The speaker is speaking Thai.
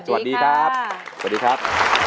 สวัสดีครับ